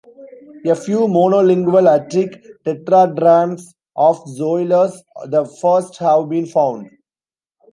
A few monolingual Attic tetradrachms of Zoilos the First have been found.